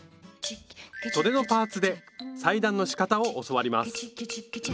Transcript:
そでのパーツで裁断のしかたを教わります